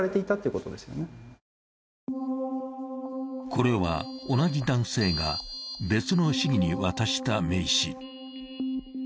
これは、同じ男性が別の市議に渡した名刺。